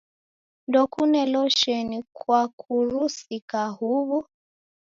Ndokune losheni kwakurusika huw'u?